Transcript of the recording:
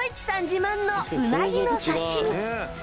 自慢のうなぎの刺身